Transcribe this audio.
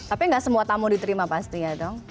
tapi nggak semua tamu diterima pastinya dong